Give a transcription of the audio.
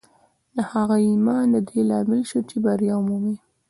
د هغه ایمان د دې لامل شو چې بریا ومومي